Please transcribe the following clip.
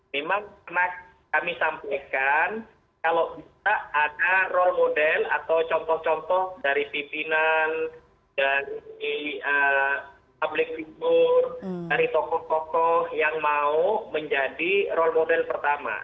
memang pernah kami sampaikan kalau bisa ada role model atau contoh contoh dari pimpinan dari public figure dari tokoh tokoh yang mau menjadi role model pertama